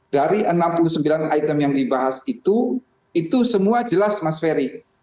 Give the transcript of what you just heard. dari enam puluh sembilan item yang dibahas itu itu semua jelas mas ferry